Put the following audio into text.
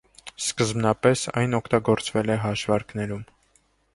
Սկզբնապես այն օգտագործվել է հաշվարկներում։